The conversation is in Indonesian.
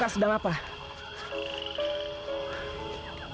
kenapa pekak terlihat bingung